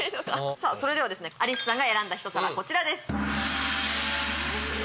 さぁそれではアリスさんが選んだ一皿こちらです。